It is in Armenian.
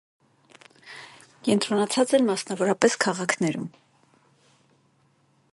Կենտրոնացած են մասնավորապես քաղաքներում։